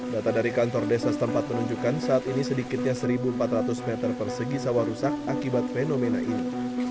data dari kantor desa setempat menunjukkan saat ini sedikitnya satu empat ratus meter persegi sawah rusak akibat fenomena ini